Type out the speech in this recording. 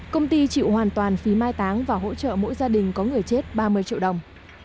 công ty chịu hoàn toàn phí mai táng và hỗ trợ mỗi gia đình có người chết ba mươi triệu đồng